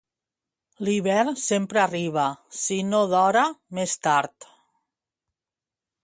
L'hivern sempre arriba, si no d'hora, més tard.